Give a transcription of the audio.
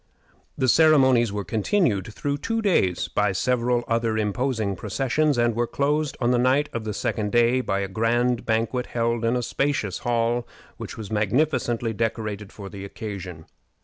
The ceremonies were continued through two days by several other imposing processions, and were closed on the night of the second day by a grand banquet held in a spacious hall which was magnificently decorated for the occasion.